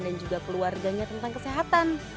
dan juga keluarganya tentang kesehatan